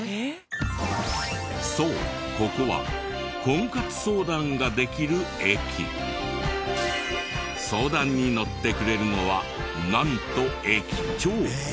そうここは相談に乗ってくれるのはなんと駅長。